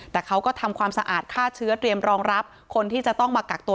แต่เขาก็ทำความสะอาดฆ่าเชื้อเตรียมรองรับคนที่จะต้องมากักตัว